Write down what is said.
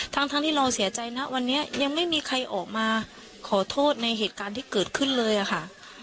ทั้งที่เราเสียใจนะวันนี้ยังไม่มีใครออกมาขอโทษในเหตุการณ์ที่เกิดขึ้นเลยอะค่ะ